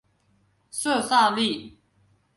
色萨利。